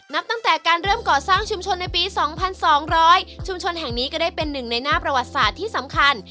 นับตั้งแต่การเริ่มก่อสร้างชุมชนในปี๒๒๐๐ชุมชนแห่งนี้ก็ได้เป็นหนึ่งในหน้าประวัติศาสตร์ที่สำคัญ